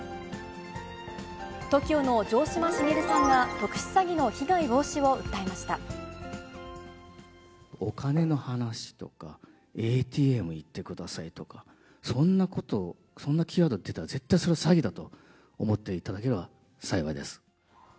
ＴＯＫＩＯの城島茂さんが特お金の話とか、ＡＴＭ行ってくださいとか、そんなこと、そんなキーワード出たら絶対、それは詐欺だと思っていただければ幸いです。